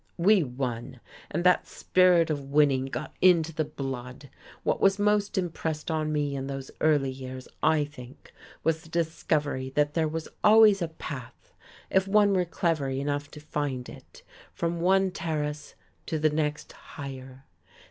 We won, and that spirit of winning got into the blood. What was most impressed on me in those early years, I think, was the discovery that there was always a path if one were clever enough to find it from one terrace to the next higher.